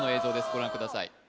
ご覧ください